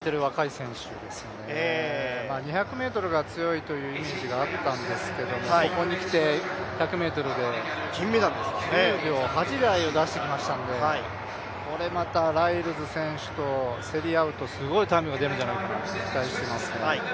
この選手は世界中でも期待されている若い選手ですので、２００ｍが強いというイメージがあったんですけれども、ここにきて１００ｍで９秒８台を出してきましたんで、これまたライルズ選手と競り合うとすごいタイムが出るんじゃないかなと期待しています。